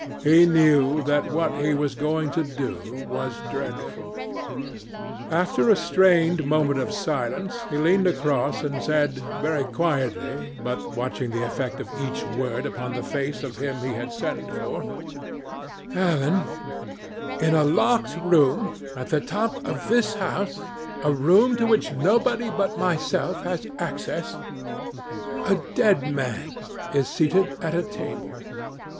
He knew that what he was going to do was dreadful. After a strained moment of silence, he leaned across and said, very quietly, but watching the effect of each word upon the face of him he had sent for, "Alan, in a locked room at the top of this house, a room to which nobody but myself has access, a dead man is seated at a table.